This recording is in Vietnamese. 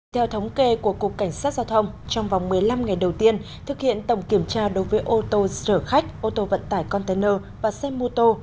theo thống kê của cục cảnh sát giao thông trong vòng một mươi năm ngày đầu tiên thực hiện tổng kiểm tra đối với ô tô chở khách ô tô vận tải container và xe mô tô